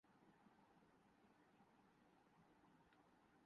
جیسا کہ دوسرے ممالک میں بھی ہے کہ ٹرین چلانے کیلئے تقریبا بجلی ہی استعمال کی جارہی ھے